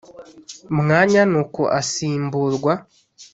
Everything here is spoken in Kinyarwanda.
mwanya n uko asimburwa